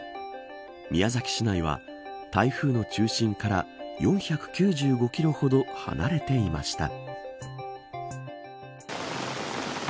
宮崎市内は台風の中心から４９５キロほど離れていました。